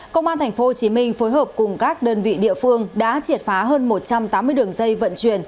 công an tp hcm phối hợp cùng các đơn vị địa phương đã triệt phá hơn một trăm tám mươi đường dây vận chuyển